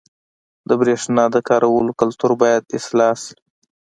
• د برېښنا د کارولو کلتور باید اصلاح شي.